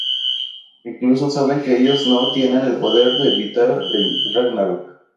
Incluso saben que ellos no tienen el poder de evitar el Ragnarök.